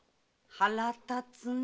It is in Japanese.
腹立つね。